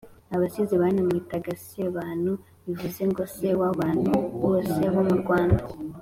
Abasizi banamwitaga Sebantu bivuze ngo: se w'abantu bose bo mu Rwanda